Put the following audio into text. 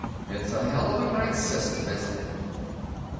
It's a hell of a great system, isn't it?